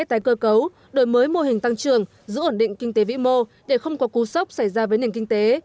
tái cơ cấu đổi mới mô hình tăng trưởng giữ ổn định kinh tế vĩ mô để không có cú sốc xảy ra với nền kinh tế